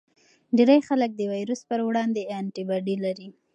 ډیری خلک د ویروس پر وړاندې انټي باډي لري.